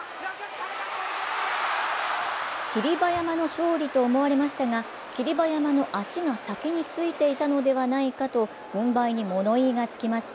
霧馬山の勝利と思われましたが霧馬山の足が先に着いていたのではないかと軍配に物言いがつきます。